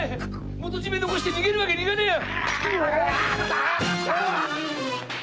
元締を残して逃げるわけにはいかねえや！